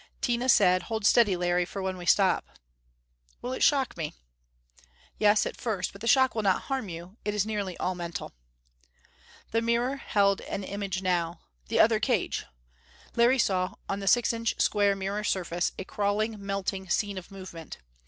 Tina said. "Hold steady, Larry, for when we stop." "Will it shock me?" "Yes at first. But the shock will not harm you: it is nearly all mental." The mirror held an image now the other cage. Larry saw, on the six inch square mirror surface, a crawling, melting scene of movement.